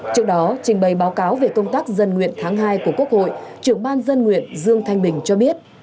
trước đó trình bày báo cáo về công tác dân nguyện tháng hai của quốc hội trưởng ban dân nguyện dương thanh bình cho biết